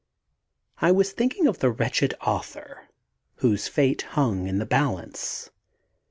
I was thinking of the wretched author whose fate hung in the balance.